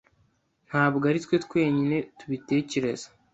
Ntabwo ari twe twenyine tubitekereza.